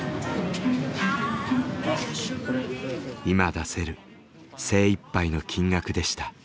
今出せる精いっぱいの金額でした。